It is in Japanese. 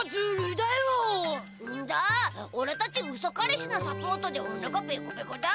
おらたちウソ彼氏のサポートでおなかペコペコだ。